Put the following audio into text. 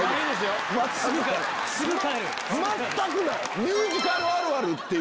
全くない！